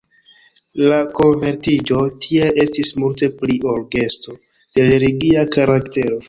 La konvertiĝo tiel estis multe pli ol gesto de religia karaktero.